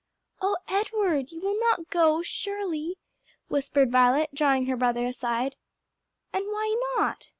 "O Edward, you will not go, surely?" whispered Violet, drawing her brother aside. "And why not?"